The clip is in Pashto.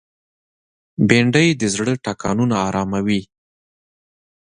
بېنډۍ د زړه ټکانونه آراموي